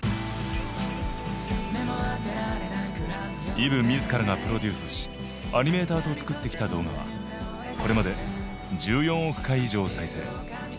Ｅｖｅ自らがプロデュースしアニメーターと作ってきた動画はこれまで１４億回以上再生。